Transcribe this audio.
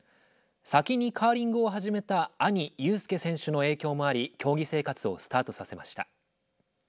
先にカーリングを始めた兄・友佑選手の影響もあり競技生活をスタートさせました。